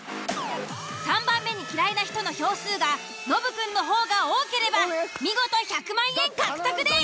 ３番目に嫌いな人の票数がノブくんの方が多ければ見事１００万円獲得です！